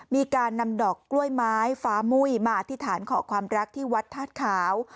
มีการนำดอกกล้วยไม้ฟ้ามุ้ยมาอธิษฐานขอความรักที่วัดธาตุขาว